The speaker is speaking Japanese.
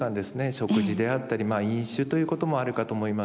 食事であったり飲酒ということもあるかと思います。